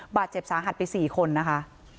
บาดเจ็บสาหัสไป๔คนนะคะ